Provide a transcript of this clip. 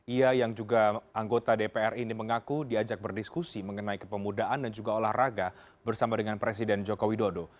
ia yang juga anggota dpr ini mengaku diajak berdiskusi mengenai kepemudaan dan juga olahraga bersama dengan presiden joko widodo